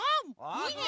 いいね！